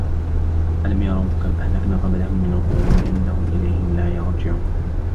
أَلَم يَرَوا كَم أَهلَكنا قَبلَهُم مِنَ القُرونِ أَنَّهُم إِلَيهِم لا يَرجِعونَ